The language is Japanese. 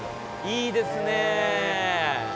いいですね。